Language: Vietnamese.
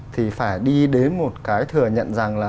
thì phải đi đến một cái thừa nhận rằng là